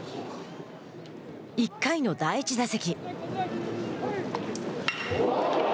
１回の第１打席。